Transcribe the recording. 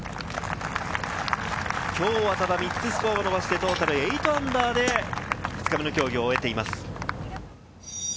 きょうは３つスコアを伸ばしてトータル−８で２日目の競技を終えています。